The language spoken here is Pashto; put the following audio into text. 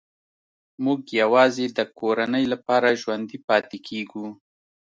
موږ یوازې د کورنۍ لپاره ژوندي پاتې کېږو